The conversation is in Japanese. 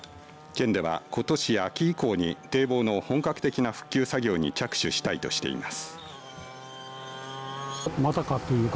県ではことし秋以降に堤防の本格的な復旧作業に着手したいとしています。